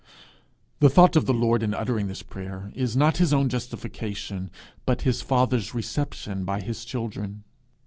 The thought of the Lord in uttering this prayer is not his own justification, but his father's reception by his children.